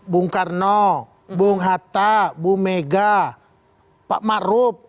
bung karno bung hatta bung mega pak marup